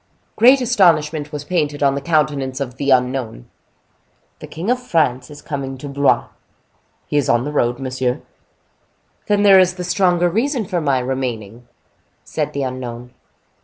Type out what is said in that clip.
Great astonishment was painted on the countenance of the unknown. "The King of France is coming to Blois?" "He is on the road, monsieur." "Then there is the stronger reason for my remaining," said the unknown.